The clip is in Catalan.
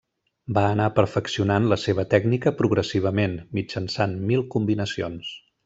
Va anar perfeccionant la seva tècnica progressivament, mitjançant mil combinacions.